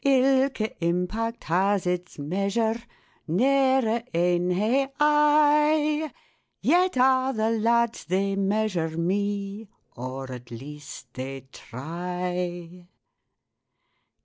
Ilka impact has its measure, Ne'er a' ane hae I, Yet a' the lads they measure me, Or, at least, they try.